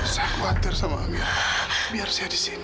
saya khawatir sama amir biar saya di sini